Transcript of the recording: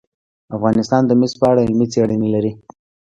افغانستان د مس په اړه علمي څېړنې لري.